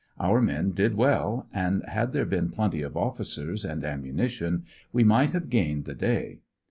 Our men did well, and had there been plenty of officers and ammunition, we might have gained the day.